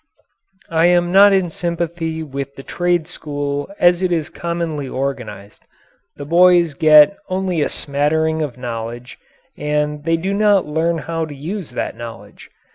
I am not in sympathy with the trade school as it is commonly organized the boys get only a smattering of knowledge and they do not learn how to use that knowledge.